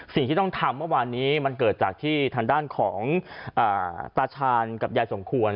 สิ่งที่ต้องทำเมื่อวานนี้มันเกิดจากที่ทางด้านของตาชาญกับยายสมควร